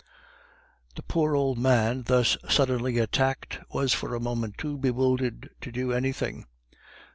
The poor old man thus suddenly attacked was for a moment too bewildered to do anything.